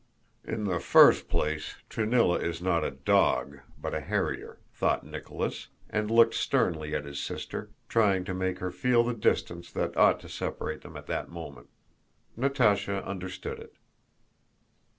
"In the first place, Truníla is not a 'dog,' but a harrier," thought Nicholas, and looked sternly at his sister, trying to make her feel the distance that ought to separate them at that moment. Natásha understood it.